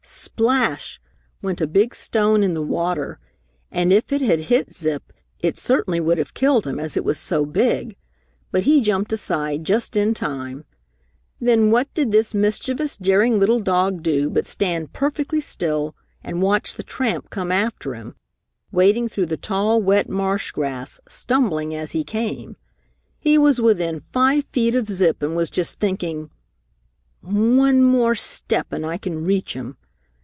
Splash! went a big stone in the water, and if it had hit Zip, it certainly would have killed him as it was so big, but he jumped aside just in time. Then what did this mischievous, daring little dog do but stand perfectly still and watch the tramp come after him, wading through the tall, wet marsh grass, stumbling as he came. He was within five feet of Zip and was just thinking, "One more step and I can reach him!"